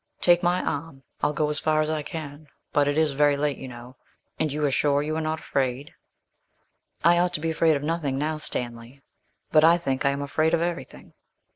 Take my arm; I'll go as far as I can, but it is very late you know and you are sure you are not afraid?' 'I ought to be afraid of nothing now, Stanley, but I think I am afraid of everything.'